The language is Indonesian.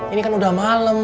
ini kan udah malem